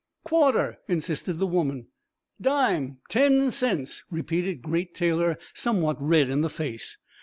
"Quarter," insisted the woman. "Dime ... Ten cents," repeated Great Taylor, somewhat red in the face.